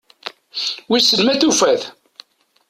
Wissen ma tufa-t?